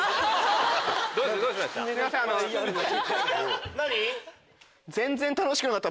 どうしました？